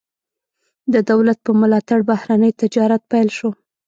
د دولت په ملاتړ بهرنی تجارت پیل شو.